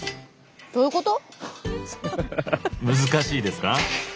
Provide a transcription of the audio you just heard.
難しいですか？